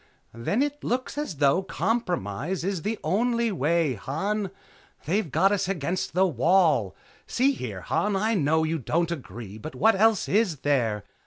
"Then it looks as though compromise is the only way, Han. They've got us up against the wall. See here, Han, I know you don't agree, but what else is there?